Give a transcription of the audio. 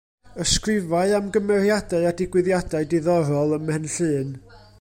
Ysgrifau am gymeriadau a digwyddiadau diddorol ym Mhenllyn.